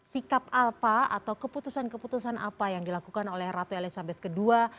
sikap alpa atau keputusan keputusan apa yang dilakukan oleh ratu elizabeth ii